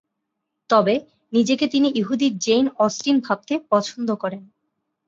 তবে নিজেকে তিনি ইহুদি জেইন অস্টিন ভাবতে পছন্দ করেন।